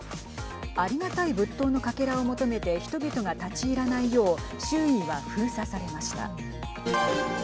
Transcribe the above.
ありがたい仏塔のかけらを求めて人々が立ち入らないよう周囲は封鎖されました。